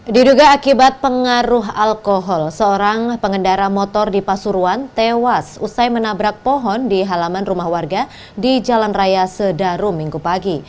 diduga akibat pengaruh alkohol seorang pengendara motor di pasuruan tewas usai menabrak pohon di halaman rumah warga di jalan raya sedarum minggu pagi